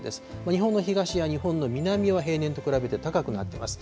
日本の東や日本の南は平年と比べて高くなっています。